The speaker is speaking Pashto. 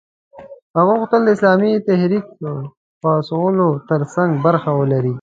هغه غوښتل د اسلامي تحریک پاڅولو ترڅنګ برخه ولري.